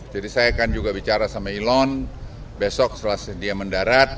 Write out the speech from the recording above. jadi saya akan juga bicara sama elon besok setelah dia mendarat